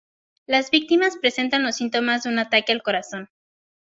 Las víctimas presentan los síntomas de un ataque al corazón.